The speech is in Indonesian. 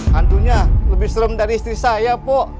hantunya lebih serem dari istri saya po